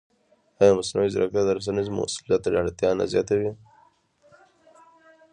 ایا مصنوعي ځیرکتیا د رسنیز مسؤلیت اړتیا نه زیاتوي؟